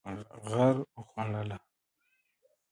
غره و خوړلو.